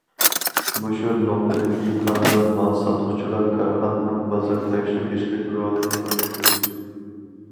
مۇشۇ نۇقتىدىن ئېيتقاندا، مال ساتقۇچىلار كارخانىنىڭ بازار تەكشۈرگۈچىلىك رولىنى ئوينايدۇ.